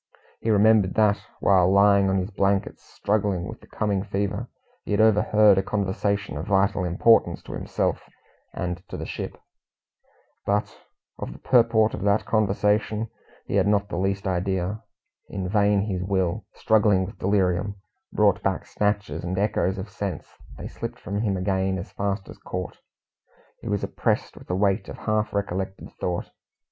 He remembered that, while lying on his blankets, struggling with the coming fever, he had overheard a conversation of vital importance to himself and to the ship, but of the purport of that conversation he had not the least idea. In vain he strove to remember in vain his will, struggling with delirium, brought back snatches and echoes of sense; they slipped from him again as fast as caught. He was oppressed with the weight of half recollected thought.